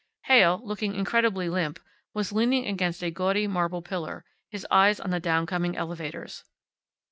Heyl, looking incredibly limp, was leaning against a gaudy marble pillar, his eyes on the downcoming elevators.